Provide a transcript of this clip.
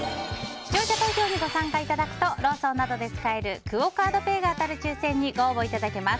視聴者投票にご参加いただくとローソンなどで使えるクオ・カードペイが当たる抽選にご応募いただけます。